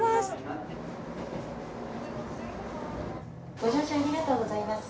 ご乗車ありがとうございます。